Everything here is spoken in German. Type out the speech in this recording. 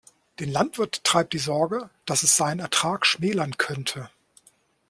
Den Landwirt treibt die Sorge, dass es seinen Ertrag schmälern könnte.